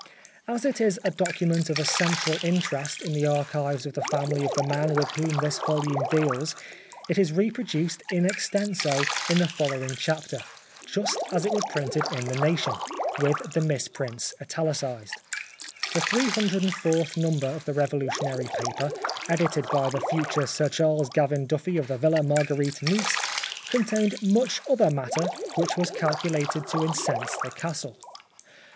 As it is a docu ment of essential interest in the archives of the family of the man with whom this volume deals it is reproduced in extenso in the following chapter, just as it was printed in The Nation, with the misprints italicised. The 304th number of the revolutionary paper, edited by the future Sir Charles Gavan Duffy of the Villa Marguerite, Nice, contained much other matter which was calculated to incense the Castle.